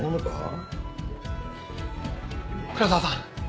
倉沢さん